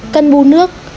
một cần bù nước